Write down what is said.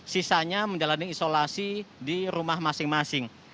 sisanya menjalani isolasi di rumah masing masing